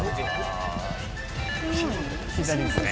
左ですね。